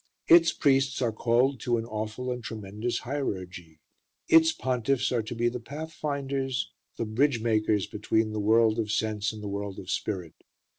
Its priests are called to an awful and tremendous hierurgy; its pontiffs are to be the pathfinders, the bridge makers between the world of sense and the world of spirit.